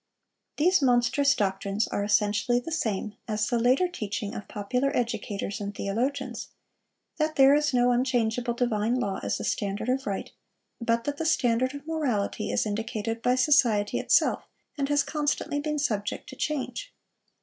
These monstrous doctrines are essentially the same as the later teaching of popular educators and theologians,—that there is no unchangeable divine law as the standard of right, but that the standard of morality is indicated by society itself, and has constantly been subject to change.